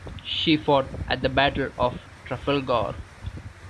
She fought at the Battle of Trafalgar.